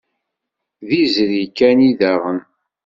D izri kan i d adɣen.